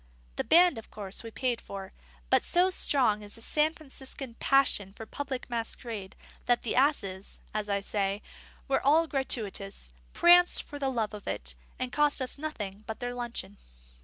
The band, of course, we paid for; but so strong is the San Franciscan passion for public masquerade, that the asses (as I say) were all gratuitous, pranced for the love of it, and cost us nothing but their luncheon.